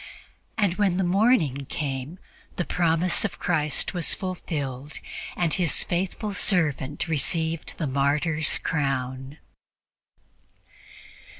And when the morning came, the promise of Christ was fulfilled, and His faithfu1 servant received the martyr's crown.